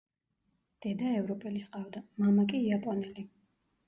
დედა ევროპელი ჰყავდა, მამა კი იაპონელი.